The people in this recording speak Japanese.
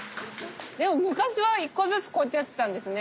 でも昔は１個ずつこうやってやってたんですね。